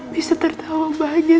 bukan hidup yang kayak gini